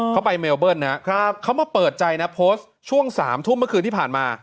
เขาไปเมลเบิ้ลนะครับเขามาเปิดใจนะโพสต์ช่วง๓ทุ่มเมื่อคืนที่ผ่านมา